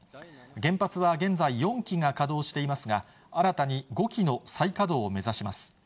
原発は現在、４基が稼働していますが、新たに５基の再稼働を目指します。